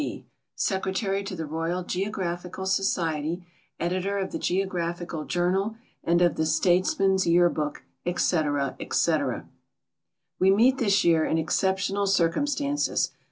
D., Secretary to the Royal Geograpliicnl Society, Editor of the GtoijruphiraJ Jourmil and of t lie Statesman'' x Year Book, etc., etc. We meet thb^ year in excoi)tional circumstances.